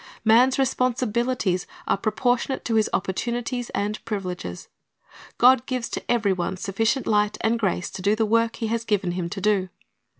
Man's responsibilities are proportionate to his opportunities and privileges. God gives to every one sufficient light and grace to do the work He has given him to do.